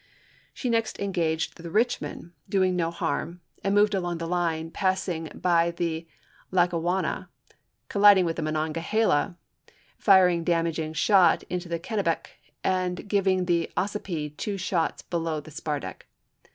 She MOBILE BAY 235 next engaged the Richmond, doing no harm, and chap. x. moved along the line, passing by the Lackawanna, colliding with the Monongahela, firing a damaging Aug. 5, mt, shot into the Kennebec, and giving the Ossipee two shots below the spar deck.